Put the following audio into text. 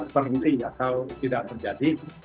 berhenti atau tidak terjadi